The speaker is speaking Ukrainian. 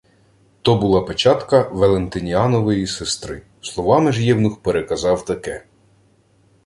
То була печатка Валентиніанової сестри. Словами ж євнух переказав таке: